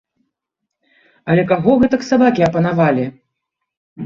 Але каго гэтак сабакі апанавалі?